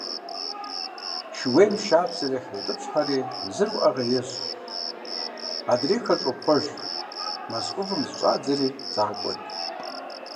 Шууейм шабзэр яхеутӀыпщхьэри зыр уӀэгъэ ещӀ, адрейхэр щӀопхъуэж, мэз Ӏувым зыщӀадзэри, загъэкӀуэд.